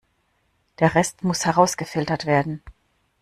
Der Rest muss herausgefiltert werden.